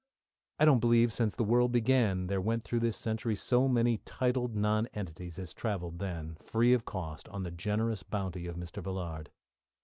I don't believe since the world began there went through this country so many titled nonentities as travelled then, free of cost, on the generous bounty of Mr. Villard.